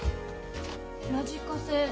ラジカセ。